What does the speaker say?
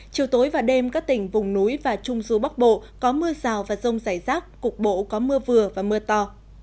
chiều tối và đêm các tỉnh vùng núi và trung du bắc bộ có mưa rào và rông rải rác cục bộ có mưa vừa và mưa to